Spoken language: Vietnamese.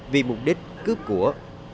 vì mục đích cướp của